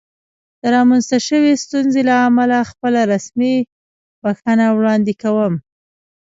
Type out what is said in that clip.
د رامنځته شوې ستونزې له امله خپله رسمي بښنه وړاندې کوم.